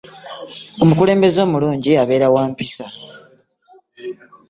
omukulembeze omulungi abeer wa mpisa